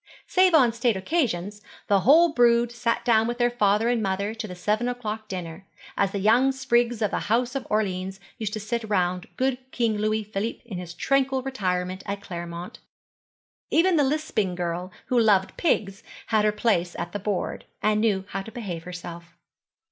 Save on state occasions, the whole brood sat down with their father and mother to the seven o'clock dinner; as the young sprigs of the House of Orleans used to sit round good King Louis Philippe in his tranquil retirement at Claremont. Even the lisping girl who loved pigs had her place at the board, and knew how to behave herself.